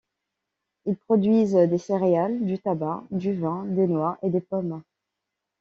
Ils produisent des céréales, du tabac, du vin, des noix et des pommes.